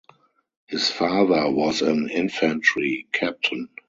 His father was an infantry captain.